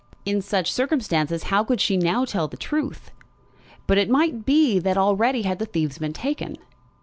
In such circumstances how could she now tell the truth? But it might be that already had the thieves been taken.